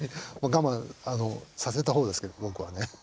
我慢させた方ですけど僕はね。